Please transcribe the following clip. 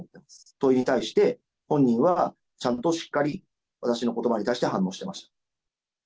問いに対して、本人はちゃんとしっかり、私のことばに対して反応してました。